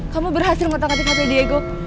kamu berhasil ngotak ngatik hp diego